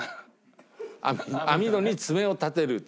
網戸に爪を立てるという。